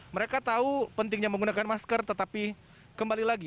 mereka tahu pentingnya menggunakan masker tetapi kembali lagi